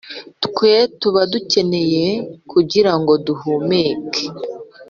twe tuba dukeneye kugira ngo duhumeke.